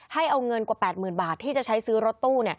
ให้เอาเงินกว่า๘๐๐๐บาทที่จะใช้ซื้อรถตู้